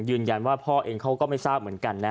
ยืนยันว่าพ่อเองเขาก็ไม่ทราบเหมือนกัน